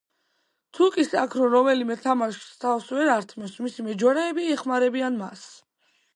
თუკი საქმრო, რომელიმე თამაშს თავს ვერ ართმევს, მისი მეჯვარეები ეხმარებიან მას.